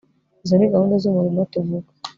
izo ni gahunda z'umurimo tuvuga